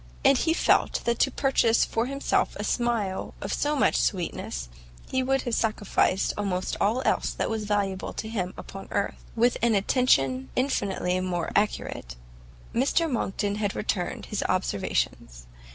and he felt that to purchase for himself a smile of so much sweetness, he would have sacrificed almost all else that was valuable to him upon earth. With an attention infinitely more accurate, Mr Monckton had returned his observations.